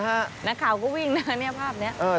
นักข่าวก็วิ่งนะภาพนี้